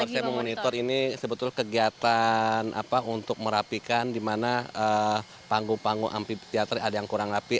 saya memonitor ini sebetulnya kegiatan untuk merapikan di mana panggung panggung amphiater ada yang kurang rapi